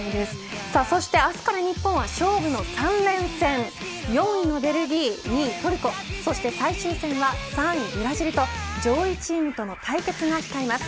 そして明日から日本は勝負の３連戦４位のベルギー２位トルコそして最終戦は３位ブラジルと上位チームとの対決が控えます。